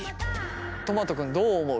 とまと君どう思う？